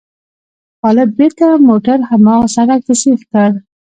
خالد بېرته موټر هماغه سړک ته سیخ کړ.